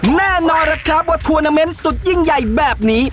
แน่นอนล่ะครับว่าทัวร์นาเมนต์สุดยิ่งใหญ่แบบนี้